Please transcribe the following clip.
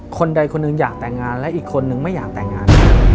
คนใดคนหนึ่งอยากแต่งงานและอีกคนนึงไม่อยากแต่งงาน